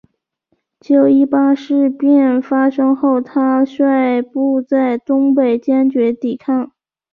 九一八事变发生后他率部在东北坚决抵抗。